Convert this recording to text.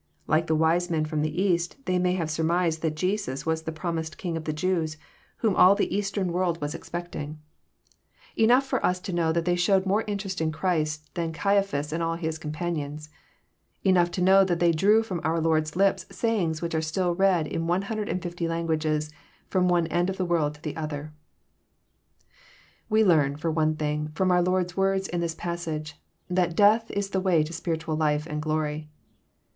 Like the wise men from the East, they may have surmised that Jesus was the prom ised King of the Jews, whom all the eastern world was 332 EXFOSITOBT THOUGHTS. expecting. Enough for ns to know that they showed more interest in Christ than Caiaphas and all his com panions. Enough to know that they drew from our Lord's lips sayings which are still read in one hundred and fifty languages, from one end of the world to the other. We learn, for one thing, from our Lord's words in this passage, that decUh is the way to apiritucU life and glory.